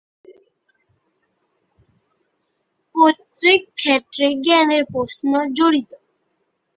প্রত্যেক ক্ষেত্রেই জ্ঞানের প্রশ্ন জড়িত।